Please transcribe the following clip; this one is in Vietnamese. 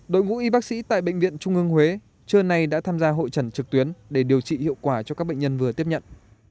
đội ngũ y bác sĩ tại bệnh viện trung ương huế trưa nay đã tham gia hội trần trực tuyến để điều trị hiệu quả cho các bệnh nhân vừa tiếp nhận